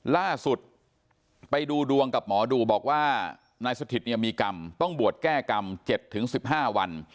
ล่าสุดไปดูดวงกับหมอดูบอกว่านายสถิตเนี่ยมีกรรมต้องบวชแก้กรรม๗๑๕วัน